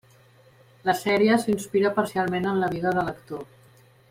La sèrie s'inspira parcialment en la vida de l'actor.